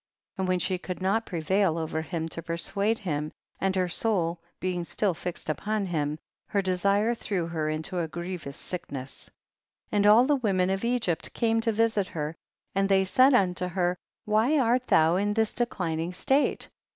26. And when she could not pre vail over him, to persuade him, and her soul being still fixed upon him, her desire threw her into a grievous sickness. 27. And all the women of Egypt came to visit her, and they said unto her, why art thou in this declining state